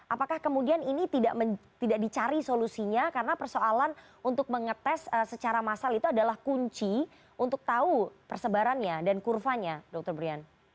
apakah kemudian ini tidak dicari solusinya karena persoalan untuk mengetes secara massal itu adalah kunci untuk tahu persebarannya dan kurvanya dokter brian